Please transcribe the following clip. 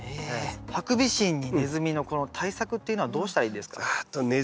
ハクビシンにネズミのこの対策っていうのはどうしたらいいんですかね？